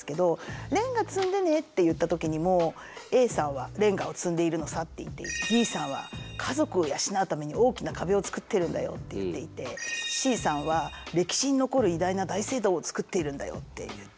レンガ積んでねって言った時にもＡさんはレンガを積んでいるのさって言ってＢさんは家族を養うために大きな壁を造ってるんだよって言っていてＣさんは歴史に残る偉大な大聖堂を造っているんだよって言っている。